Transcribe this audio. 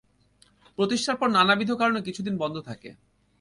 প্রতিষ্ঠার পর নানাবিধ কারনে কিছুদিন বন্ধ থাকে।